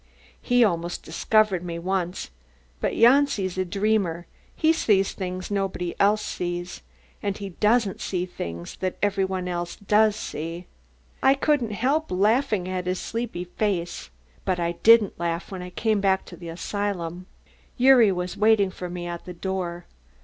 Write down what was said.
He almost discovered me once, but Janci's a dreamer, he sees things nobody else sees and he doesn't see things that everybody else does see. I couldn't help laughing at his sleepy face. But I didn't laugh when I came back to the asylum. Gyuri was waiting for me at the door.